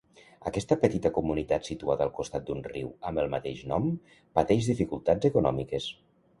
Aquesta petita comunitat situada al costat d'un riu amb el mateix nom pateix dificultats econòmiques.